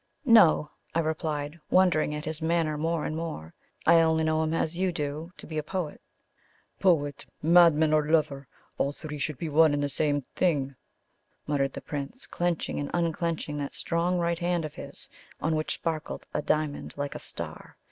"No," I replied, wondering at his manner more and more. "I only know him, as you do, to be a poet." "Poet, madman, or lover all three should be one and the same thing," muttered the Prince, clenching and unclenching that strong right hand of his on which sparkled a diamond like a star.